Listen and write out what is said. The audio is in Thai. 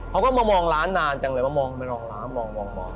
เขาก็มามองร้านนานจังเลยว่ามองไปมองร้านมอง